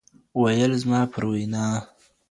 ویل زما پر وینا